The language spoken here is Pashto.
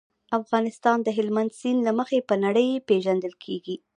افغانستان د هلمند سیند له مخې په نړۍ پېژندل کېږي.